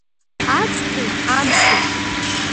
Аҵхи амши…